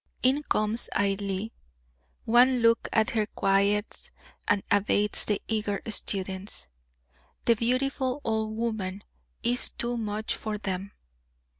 In comes Ailie; one look at her quiets and abates the eager students. The beautiful old woman is too much for them.